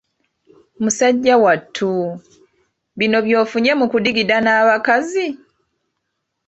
Musajja wattu, bino by'ofunye mu kudigida n'abakazi!